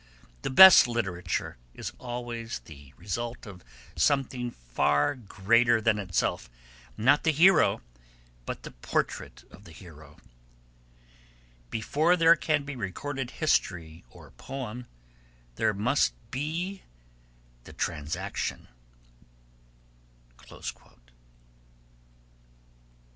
'The best literature is always the result of something far greater than itself not the hero but the portrait of the hero. Before there can be recorded history or poem there must be the transaction.'